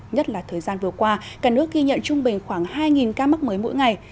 nhất là thời gian vừa qua cả nước ghi nhận trung bình khoảng hai ca mắc mới mỗi ngày